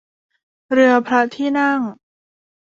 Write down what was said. เรือพระที่นั่ง